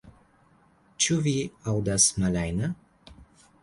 Ĉu vi aŭdas, Malanja.